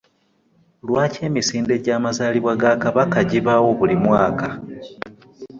Lwaki emisinde gy'amazalibwa ga kabaka gibaawo buli mwaka?